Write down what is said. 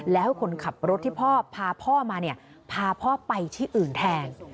แล้วคนขับรถที่พ่อพาพ่อมาเนี่ยพาพ่อไปที่อื่นแทน